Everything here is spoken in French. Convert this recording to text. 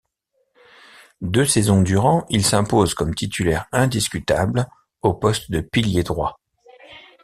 Deux saisons durant, il s'impose comme titulaire indiscutable au poste de pilier droit.